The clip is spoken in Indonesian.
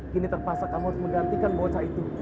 kini terpaksa kamu harus menggantikan bocah itu